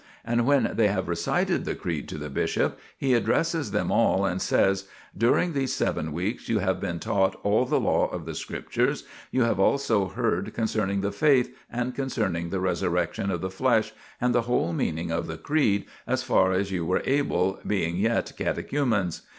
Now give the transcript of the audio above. And when they have recited the Creed to the bishop, he addresses them all, and says :" During these seven weeks you have been taught all the law of the Scriptures, you have also heard concerning the Faith, and co cerning the resurrection of the flesh, and the whole meaning of the Creed, as far as you were able, being yet catechumens.